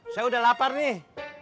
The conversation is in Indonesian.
saya udah lapar nih